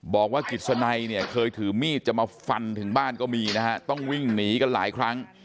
บอกว่ากิจสนัยเนี่ยเคยถือมีดจะมาฟันถึงบ้านก็มีนะฮะต้องวิ่งหนีกันหลายครั้ง